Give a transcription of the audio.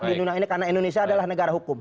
di indonesia karena indonesia adalah negara hukum